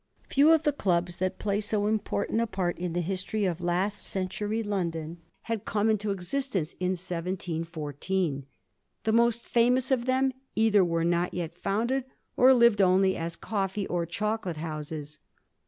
Few of the clubs that play so important a part in the history of laist century London had come into ex istence in 1714. The most famous of them either were not yet founded, or lived only as coffee or chocolate houses.